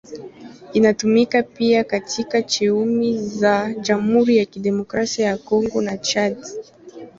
Inatumika pia katika sehemu za Jamhuri ya Kidemokrasia ya Kongo na Chad.